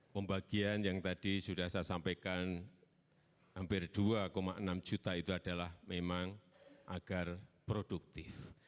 pembagian yang tadi sudah saya sampaikan hampir dua enam juta itu adalah memang agar produktif